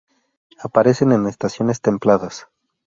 Aparecen en estaciones templadas.